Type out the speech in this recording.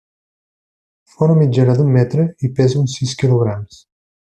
Fa una mitjana d'un metre i pesa uns sis quilograms.